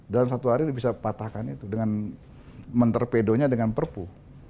dalam satu hari bisa patahkan itu dengan menterpedonya dengan perpu